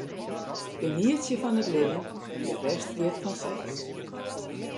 Genietsje fan it libben en de rest giet fansels.